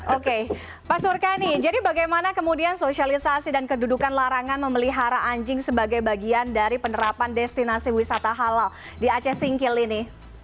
oke pak surkani jadi bagaimana kemudian sosialisasi dan kedudukan larangan memelihara anjing sebagai bagian dari penerapan destinasi wisata halal di aceh singkil ini